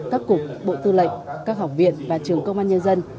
các cục bộ tư lệnh các học viện và trường công an nhân dân